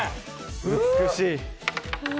美しい！